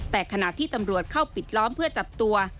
แต่ขณะที่ตำรวจเข้าปิดล้อมเพื่อจับตัว